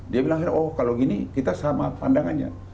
dia bilang oh kalau gini kita sama pandangannya